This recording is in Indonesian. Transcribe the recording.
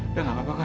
udah nggak apa apa